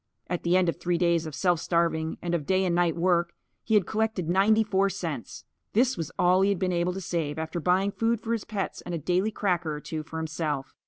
At the end of three days of self starving and of day and night work, he had collected ninety four cents. This was all he had been able to save after buying food for his pets and a daily cracker or two for himself.